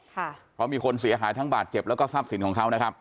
เพราะมีคนเสียหายทั้งบาดเจ็บแล้วก็ทรัพย์สินของเขานะครับ